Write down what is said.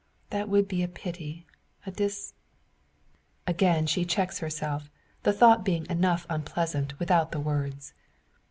That would be a pity a dis " Again she checks herself, the thought being enough unpleasant without the words.